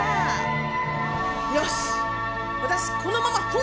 よし！